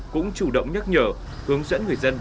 cũng chủ động nhắc nhở hướng dẫn người dân